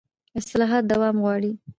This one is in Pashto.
اصلاحات دوام غواړي